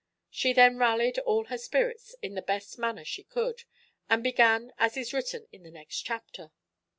She then rallied all her spirits in the best manner she could, and began as is written in the next chapter.